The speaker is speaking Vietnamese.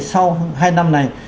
sau hai năm này